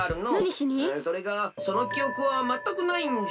それがそのきおくはまったくないんじゃ。